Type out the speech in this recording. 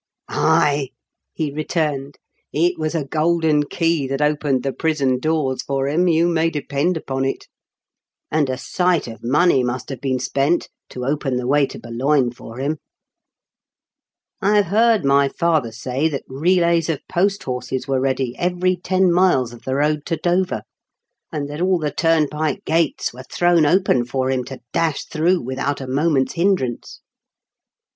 "Ayl" he returned. *'It was a golden key that opened the prison doors for him, you may depend upon it; and a sight of money SMUGGLING BEMINISGENOES. 271 must have been spent to open the way to Boulogne for him. I have heard my father say that relays of post horses were ready every ten miles of the road to Dover, and that all the turnpike gates were thrown open for him to dash through without a moment's hindrance."